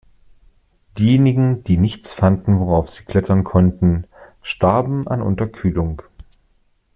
Diejenigen, die nichts fanden, worauf sie klettern konnten, starben an Unterkühlung.